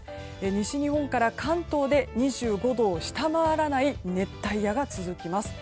西日本から関東で２５度を下回らない熱帯夜が続きます。